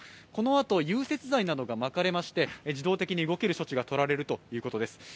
このあと融雪剤などがまかれまして、自動的に動ける処置がとられるということです。